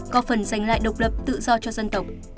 có phần giành lại độc lập tự do cho dân tộc